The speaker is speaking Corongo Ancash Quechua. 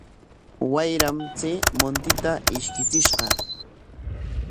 Wayram chay muntita ishkichishqa.